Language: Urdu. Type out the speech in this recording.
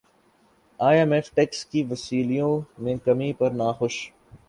ئی ایم ایف ٹیکس کی وصولیوں میں کمی پر ناخوش